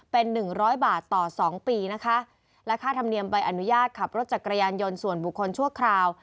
เป็นหนึ่งร้อยบาทต่อสองปีนะคะและค่าธรรมเนียมใบอนุญาตขับรถจักรยานยนต์ส่วนบุคคลชั่วคราว